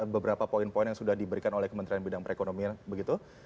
beberapa poin poin yang sudah diberikan oleh kementerian bidang perekonomian begitu